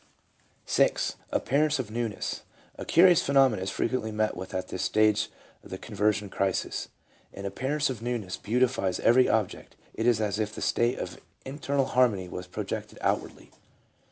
6. Appearance of Newness. A curious phenomenon is frequently met with at this stage of the conversion crisis. An appearance of newness beautifies every object ; it is as if the state of internal harmony was projected outwardly.